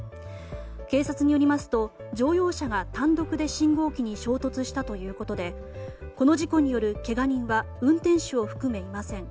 警察によりますと乗用車が単独で信号機に衝突したということでこの事故によるけが人は運転手を含め、いません。